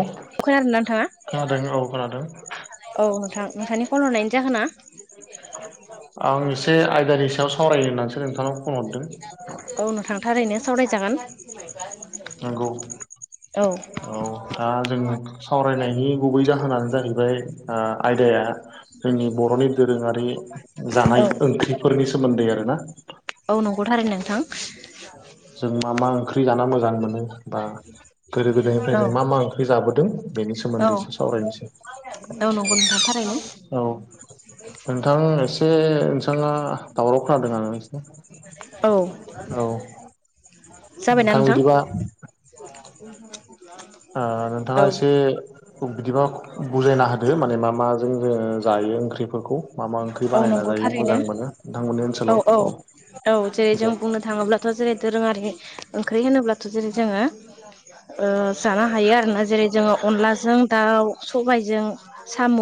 औ खोनादोंना नोंथांआ खोनादों औ खोनादों औ नोंथां नोंथांनि कल हरनायनि जाहोना? आं एसे आयदानि सायाव सावरायो होननानैसो नोंथांनाव फन हरदों। औ नोंथां थारैनो सावरायजागोन नंगौ औ। औ दा जों सावरायनायनि गुबै जाहोनानो जाहैबाय ओ आयदाया। जोंनि बर'नि दोरोङारि जानाय ओंख्रिफोरनि सोमोन्दै आरोना? औ नंगौथारै नोंथां। जों मा मा ओंख्रि जाना मोजां मोनो बा गोदो गोदायनिफ्राय औ जों मा मा ओंख्रि जाबोदों। बेनि औ सोमोन्दैसो सावरायनोसै औ नंगौ नोंथां थारैनो औ। नोंथां एसे नोंथाङा दावराव खालामदों आरो नोंसिनो औ जाबायना नोंथां। आ औ नोंथाङा। आरो माने मा माजों जोङो जायो ओंख्रिफोरखौ। मा मा ओंख्रि औ बानायना नंगौ जायो थारैनो मोजां मोनो नोंथांमोननि औ ओनसोलाव औ औ जेरै जों दे बुंनो थाङोब्ला। थ' जेरै दोरोङारि ओंख्रि होनोब्लाथ' जेरै जोङो। ओ जानो हायो आरोना जेरै--जोङो अनलाजों दाउ सबायजों साम'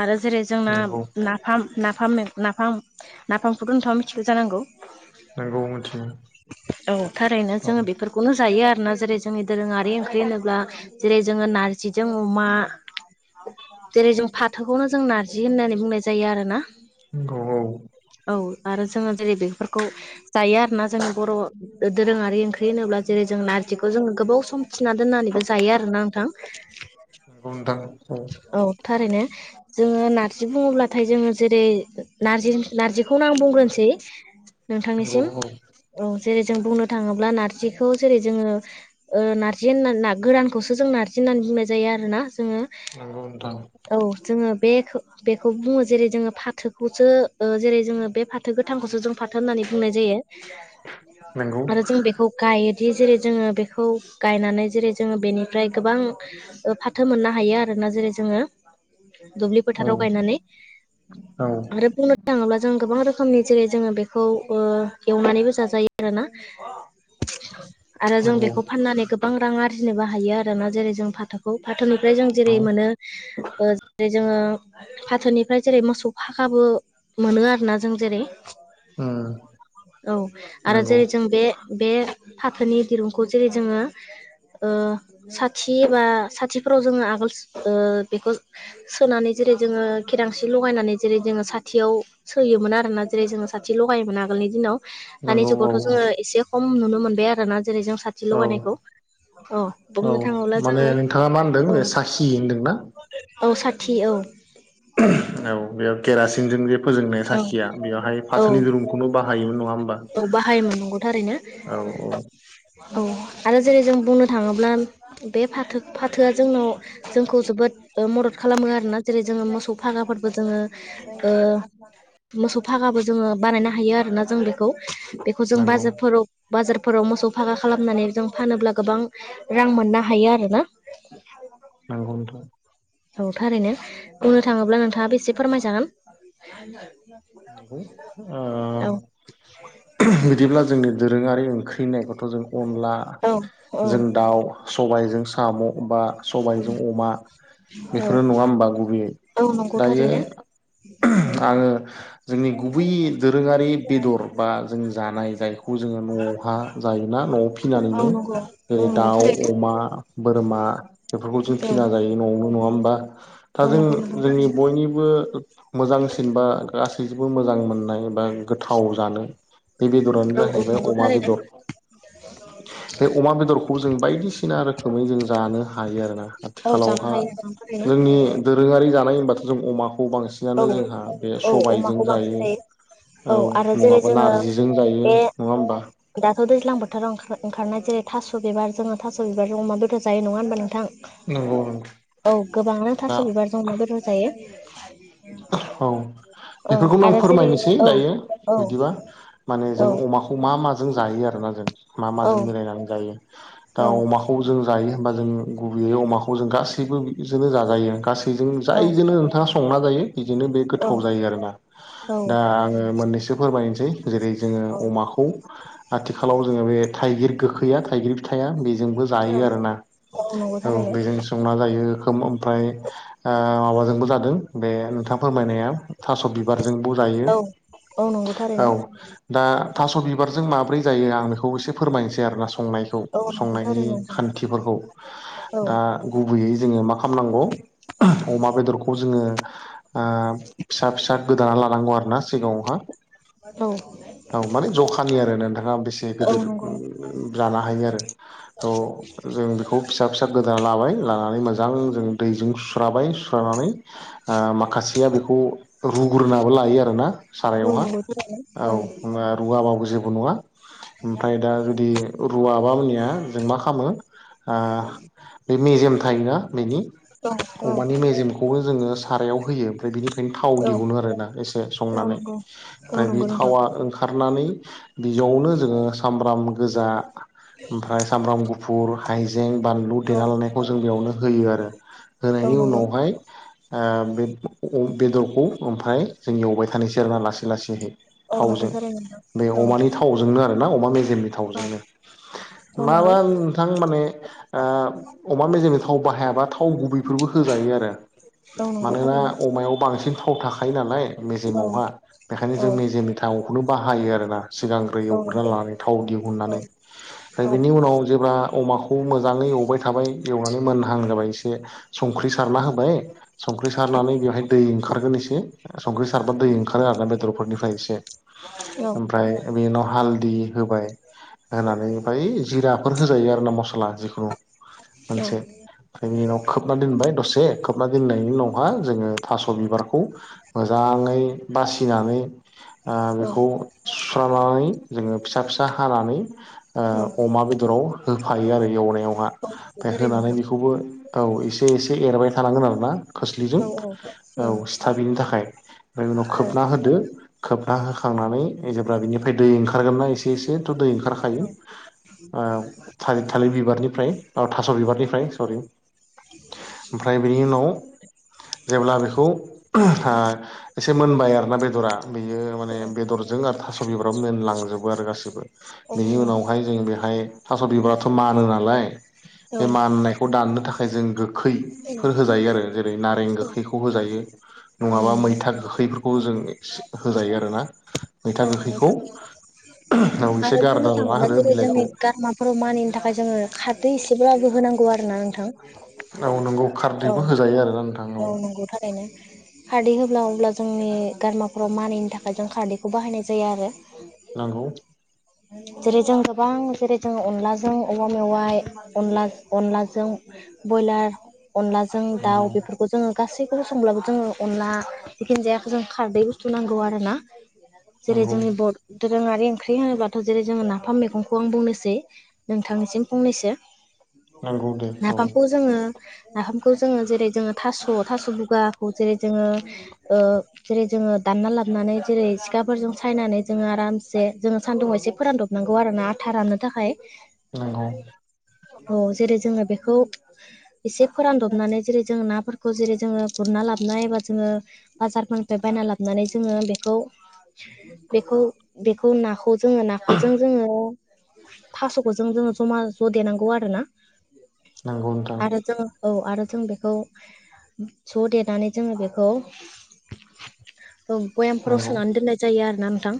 आरो जेरै जोंना नंगौ नाफाम नाफ नाफाम नाफामखौ दथाङा मिथिगौ जानांगौ। नंगौ मिथियो औ थारैनो औ जोङो बेफोर खौनो जायो आरोना जेरै जोंनि दोरोङारि ओंख्रि होनोब्ला। जेरै जोङो नारजिजों अमा जेरै जों फोथोखौनो जों नारजि होननानै बुंनाय जायो आरो ना नंगौ औ औ आरो जोङो जेरै बेफोरखौ जायो आरोना जोंनि बर' दोरोङारि ओंख्रि होनोब्ला जेरै जों नारजिखौ जोङो गोबाव सम थिना दोननानैबो जायो आरोना नोंथां नंगौ नोंथां औ थारैनो जोङो नारजि बुङोब्लाथाय जोङो जेरै नारजि नारजिखौनो आं बुंग्रोनोसै नंगौ नोंथांनिसिम औ औ जेरै जों बुंनो थाङोब्ला नारजिखौ जेरै जोङो नारजि होननानै गोरानखौसो जों नारजि होननानै बुंनाय जायो आरोना जोङो नोंगौ नोंथां औ जोङो बे बेखौ बुङो जेरै जोङो फाथोखौसो ओ जेरै जोङो बे फाथो गोथांखौसो जों फाथो होननानै बुंनाय जायो [inaudible] नंगौ आरो जों बे खौ गायोदि जेरै जोङो बेखौ गायनानै जेरै जोङो बेनिफ्राय गोबां फाथो मोननो हायो आरोना जेरै जोङो दुब्लि औ फोथाराव गायनानै औ आरो बुंनो नो थाङोब्ला जों गोबां रोखोमनि जेरै जोङो बेखौ ओ एवनानैबो जाजायो आरोना आरो जों नंगौ बेखौ फाननानै गोबां रां आरजिनोबो हायो आरोना जेरै जों फाथो खौ फाथोनिफ्राय जों जेरै औ मोनो ओ जेरै जोङो फाथोनिफ्राय जेरै मोसौ फाखाबो मोनो आरोना जों जेरै उम औ आरो नंगौ जेरै जों बे बे फाथोनि दिरुंखौ जेरै जोङो ओ साथि बा साथिफोराव जोङो आगोल बेखौ सोनानै जेरै जोङो केरासिन लगायनानै जेरै जोङो साथियाव सोयोमोन आरोना जेरै जोङो साथि लगायोमोन आगोलनि दिनाव दानि नंगौ औ जुगावथ' जोङो एसे खम नुनो मोनबाय आरोना जेरै जों सा थि औ लगानायखौ औ बुंनो थाङोब्ला जोङो औ खि होनदोंना? औ साथि औ औ बेयाव केरासिनजों जे फोजोंनाय औ साखिया बेवहाय औ फाथोनि दुरुं नो बाहायोमोन नङा होमबा औ बाहायोमोन नंगौ थारैनो औ औ औ आरो जेरै जों बुंनो थाङोब्ला बे फाथो फाथोआ जोंनाव जोंखौ जोबोद मदद खालामो आरोना जेरै जोङो मोसौ फागाफोरबो जोङो ओ मोसौ फागाबो जोङो बानायनो हायो आरोना जों बेखौ बेखौ जों नंगौ बाजारफोराव बाजारफोराव मोसौ फाखा खालामनानै जों फानोब्ला गोबां रां मोननो हायो आरोना नोंगौ नोंथां औ थारैनो बुंनो थाङोब्ला नोंथाङा बेसे फोरमायजागोन नंगौ ओ औ बिदिब्ला जोंनि दोरोङारि ओंख्रिनायखौथ' जों अनला औ औ जों दाउ सबायजों साम' बा सबायजों अमा औ बेफोरो नङा होमबा गुबैयै औ नंगौ दायो थारैनो आङो जोंनि गुबै दोरोङारि बेदर बा जों जानाय जायखौ जोङो न'आवहा जायोना न'आव औ फिसिनानैनो नंगौ औ जेरै नंगौ दाउ थारैनो अमा, बोरमा बेफोरखौ जों औ फिना जायो न'आवनो नङ हबा औ आरो नंगौ नोंथां जोंनि थारैनो बयनिबो मोजांसिन बा गासै मोजां मोननाय एबा गोथाव जानो बे बेदरानो जाहैबाय अमा बेदर ज बे अमा बेदरखौबो जों बायदिसिना रोखोमै जों जानो हायो आरोोना औ जानो आथिखालावहा [inaudible] रोङारि जानाय होनबाथ' जों अमाखौ औ बांसिनानो जोंहा बे औ सबाय अमाखौ बांसिन जायो औ आरो जेरै नङाबा जोङो नारजिजों जायो बे नङा हबा दाथ' दैजां बोथोराव ओंखार ओंखारनाय जेरै थास' बिबार जोङो थास' बिबारजों अमा बेदर जायो नङा होनबा नोंथां? नंगौ औ गोबांआनो दा थास' बिबार जमा बेदर जायो औ औ बेफोरखौनो आं आरो जेरै फोरमायनोसै औ दायो औ बिदिबा माने औ जोङो अमाखौ अमा मा माजों जायो आरोना जों मा मा औ जों मिलाइनानै जायो औ खौ जों जायो होमबा जों गुबैयै अमाखौ जों गासैबो बिनो जायो गै बेजों औ जायजोंनो नोंथाङा संना जायो बिदिनो बे गोथाव औ जायो आरोोना दा आङो मोननैसो फोरमायनोसै जेरै जोङो औ अमाखौ आथिखालाव जोङो बे थाइगिर गोखैया थाइगिर फिथाइया बेजोंबो औ जायो आर औ ना नंगौ औ थारैनो बेजों संना जायो खोम ओमफ्राय माबाजोंबो जादों बे नोंथांा फोरमायनाया थास' बिबारजोंबो जायो औ औ नंगौ थारैनो औ दा थास' बिबारजों माब्रै जायो आं बेखौ एसे फोरमायनोसै आरो न स संनायखौ औ नंगौ संनायनि थारैनो नोंथां खान्थिफोरखौ औ दा गुबैयै जोङो मा खालामनांगौ अमा बेदरखौ जोङो फिसा फिसा गोदाना लानांगौ आरो ना सिगाङावहा औ औ माने जखानि आरो नोंथाङा बेसे औ गेदिर नंगौ जानो हायो आरो जों बेखौ फिसा फि फिसा गोदाना लाबाय लानानै मोजां जों दैजों सु्राबाय सुस्रानानै माखासेया बेखौ रुग्राबो लायो आरोोना औ सारायावहा नंगौ औ रुवाबो जेबो नङा ओमफ्राय दा जुदि रुवाबा मनिया जों मा खालामो बे मिेजियाम थायोना बेनि औ अमानि मेजेमखौबो जोङो सारायाव होयो ओमफ्राय बेनिफ्रायनो थाव औ दिहुनो आरोना एसे औ संनानै नंगौ औ ओमफ्राय बे नंगौ नोंथां थावा ओंखारनानै बिजआवनो जोङो सामब्राम गोजा ओमफ्राय सामब्राम गुफुर हायजें बानलु औ देना लानायखौ जों बेयावनो होयो आरो औ होनायनि नंगौ उनावहाय बे बेदरखौ ओमफ्राय जोंनि एवबाय थानायसै आरोना लासै लासैहै औ थावजों नोंगौथार न बे अमानि थावजोंनो आरो ना अमा मेजेरनि औ औ नंगौ माबा नोंथां माने अमा मेजेमजों थाव बाहायाबा थाव गुबैफोरबो होजायो आरो औ नंगौ मानोना थारैनो औ नंगौ औ नंगौ थारैनो नोंथां औ अमायाव बांसिन थाव थाखायो नालाय औ मेजेमावहा नंगौ बेखायनो जों मेजेमनि थाखाय थखौनो बाहायो आर ना सिगांग्रो एवग्रोना लानानै थाव दिहुननानै ओमफ्राय बेनि उनाव जेब्ला अमाखौ मोजाङै एवबाय थाबाय एवनानै मोनहां जाबाय एसे संख्रि सारना होबाय संख्रि सारनानै बेवहाय दै ओंखारगोन एसे संख्रि सारबा दै ओंखारो आरो ना बेदरफोरनिफ्राय एसे ओमफ्राय बे उनाव हालददि होबाय होनानै ओमफाय जिराफोर होजायो आरो ना मस्ला जिखुनु औ मोनसे ओमफ्राय बिनि उनाव खोबना दोनबाय दसे खोबना दोननायनि उनावहा जोङो थास' बिबारखौ मोजाङै बासिनानै बेखौ सुस्रांनानै जोङो फिसा फिसा हानानै अमा बेदराव होफायो आरो एवनायावहा ओमफ्राय होनानै बेखौबो औ एसे एसे एरबाय थानांगोन आरो ना खोस्लिजों औ सिथाबयिनि थाखाय ओमफ्राय उनाव खोबना होदो। खोबथना होखांनानै जेब्ला बिनिफ्राय दै ओंखारगोन नना एसे एसे थ' दै ओंखारखायो थिर थालिर बिबारनिफ्राय थास' बिबारनिफ्राय सरि ओमफ्राय बेनि उनाव जेब्ला बेखौ एसे मोनबाय आरोोना बेदरा बेयो माने बेदरजों आरो थास'बिफोराबो मोनलांजोबो आरो गासिबो बेनि उनावहाय जों बेहाय थास' बिबाराथ' मानो नालाय बे माननायखौ दाननो थाखाय नाथाय जों गोखैफोर होजायो आरो जेरै नारें गोखैखौ होजायो। नङाबा मैथा गोखैफोरखौ जों होजायो आरो ना मैथा औ गोखैखौ नंगौ उनाव एसे आरो गारना बुंनो लाना थाङोब्ला होदो जेरै जोंनि बिलाइखौ [unintelligible] खर' मानिनि थाखाय जोङो खारदै एसेब्लाबो होनांगौ आरो ना नोंथां औ नंगौ औ खारदैबो होजायो आरोना नोंथां औ नंगौ थारैनो। खारदै होब्ला अब्ला जोंनि गारामाफोराव मानिनि थाखाय जों खारदैखौ बाहायनाय जायो आरो। नंगौ जेरै जों गोबां जेरै जों अनलाजों औवा मेवाइ अनला अनलाजों ब्रयलार अनलाजों नंगौ दाउ बेफोरखौ जोङो गासैखौबो संब्लाबो जोङो अनला जिखिनि जायाखै जों खारदै बुस्थु नांगौ आरो ना जेरै नंगौ जोंनि बर दोरोङारि ओंख्रि होनोब्ला थ जेरै जोङो नाफाम मैगंखौ आं बुंनोसै नोंथांनिसिम फंनैसो नंगौ दे औ नाफामखौ जोङो नाफामखौ जोङो जेरै जोङो थास' थास' बुगाखौ जेरै जोङो ओ जेरै जोङो दानना लाबनानै जेरै सिखाफोरजों सायनानै जोङो आरामसे जोङो सान्दुं एसे फोरानदबनांगौ आरो ना आथा राननो थाखाय। नोंगौ औ जेरै जोङो बेखौ एसे फोरानदबनानै जेरै जों नाफोरखौ जेरै जोङो गुरना लाबोननायबा जोङो बाजारफोरनिफ्राय बायना लाबोनानै जोङो बेखौ बेखौ बेखौ नाखौ जोङो ना बे जों जोङो थास'खौ ज जोङो जमा ज' देनांगौ आरो ना नंगौ नोंथां आरो जोङो औ आरो जों बेखौ ज' देनानै जोङो बेखौ बयामफोराव नंगौ सोनानै दोननाय जायो आरोोना नोंथां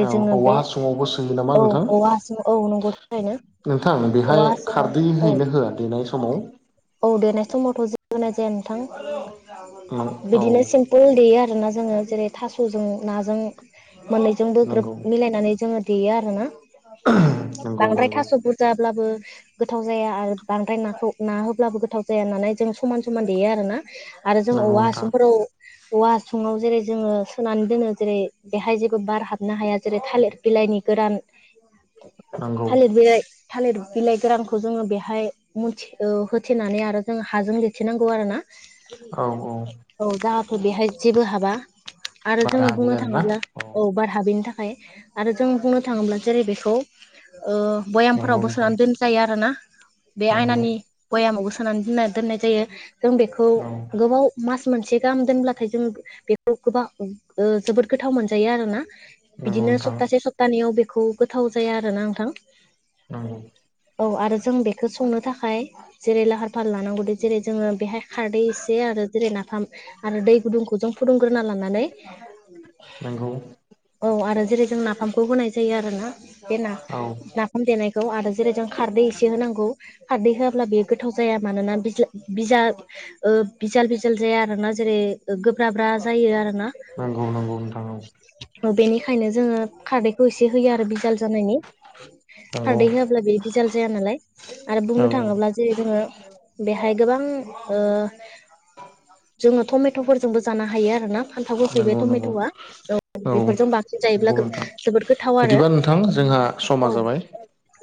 औ जोङो औवा बे हासुङावबो सोयो नामा औ नोंथां औ आस औ नं [unintelligible] नोंथां बेहाय औवा खारदै हासुंयाव औ होयोना होआ देनाय समाव औ देनाय समावथ' होनाय जाया नोंथां औ बिदिनो सिम फोल देयो आरोना जोङो जेरै थास'जों नाजों मोननैजों बो ग्रोब नंगौ मिलायनानै जोङो देयो आरो ना नंगौ बांद्राय नंगौ थास' बुरजाब्लाबो गोथाव जाया आरो बांद्राय नाखौ ना होब्लाबो गोथाव जाया होननानै जों समान समान देयो आरो ना आरो जों नंगौ औवा नोंथां हासुंफोराव औवा हासुङाव जेरै जोङो सोनानै दोनो जेरै बेहाय जेबो बार हाबनो हाया जेरै थालिर बिलाइनि गोरान नंगौ थालिर बिलाइ थालिर बिलाइ गोरानखौ जोङो बेहाय मिथि होथेनानै आरो जोङो हाजों लेथिनांगौ आरो ना औ जाहाथे बेहाय जेबो हाबा। आरो बारा जोङो हाबि बुंनो आरोना थाङोब्ला औ बार हाबिनि थाखाय आरो जों बुंनो थाङोब्ला जेरै बेखौ ओ बयामफोराव नंगौ नोंथां बोसोनानै दोन जायो आरोना बे नंगौ आयनानि बयामावबो सोनानै दोनना दोननाय जायो जों बेखौ औ गोबाव मास मोनसे गाहाम दोनब्लाथाय जों बेखौ गोबां ओ जोबोद गोथाव मोनजायो आरोना। नंगौ बिदिनो नोंथां सप्तासे सप्तानैयाव बेखौ गोथाव जाया आरोना नोंथां। नंगौ। औ आरो जों बेखौ संनो थाखाय जेरै लाहार फाहार लानांगौदि जेरै जोङो बेहाय खारदै एसे आरो जेरै नाफाम आरो दै गुदुंखौ जों फुदुंग्रोना लानानै नंगौ। औ आरो जेरै जों नाफामखौ होनाय जायो आरोना बे ना औ ना फाम देनायखौ आरो जेरै जों खारदै एसे होनांगौ। खारदै होआब्ला बेयो गोथाव जाया मानो ओ बिजाल बिजाल जाया आरोना जेरै गोब्राब्रा जायो आरोना। नंगौ नंगौ नोंथां औ‌। औ बेनिखायनो जोङो खारदैखौ एसे होयो आरो बिजाल जानायनि। नंगौ खारदै होआब्ला बेयो बिजाल जाया नालाय आरो औ बुंनो थाङोब्ला जेरै जोङो बेहाय गोबां ओ जोङो टमेट'फोरजोंबो जानो हायो आरोना। फान्थाव गोखै बे नंगौ नंगौ टमेट'आ औ बेफोरजों बांसिन नंगौ जायोब्ला नोंथां जोबोर गोथाव आरो बिदिबा नोंथां जोंहा समा औ। जाबाय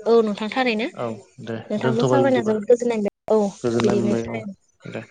औ नोंथां थारैनो औ दे नोंथांखौ दोनथ'बाय सावरायना बिदिबा जोबोद गोजोननाय मोन औ गोजोननाय बिदिनो मोनबाय औ [unintelligible] दे।